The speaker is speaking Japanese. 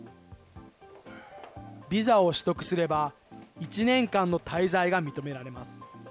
ビザを取得すれば、１年間の滞在が認められます。